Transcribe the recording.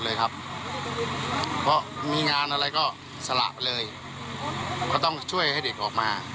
เลยครับเพราะมีงานอะไรก็สละไปเลยก็ต้องช่วยให้เด็กออกมา